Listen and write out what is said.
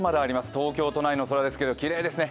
東京都内の空ですけれども、きれいですね。